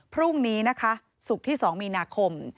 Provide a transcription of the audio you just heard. พรุ่งนี้นะคะศุกร์ที่๒มีนาคม